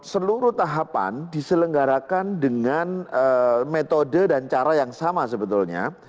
seluruh tahapan diselenggarakan dengan metode dan cara yang sama sebetulnya